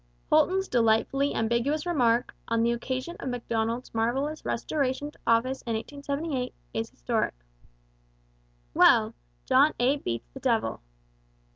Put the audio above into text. Holton's delightfully ambiguous remark, on the occasion of Macdonald's marvellous restoration to office in 1878, is historic: 'Well! John A. beats the devil.'